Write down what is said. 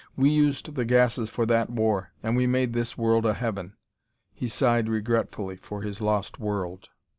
We used the gases for that war, and we made this world a heaven." He sighed regretfully for his lost world.